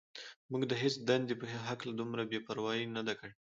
موږ د هېڅ دندې په هکله دومره بې پروايي نه ده کړې.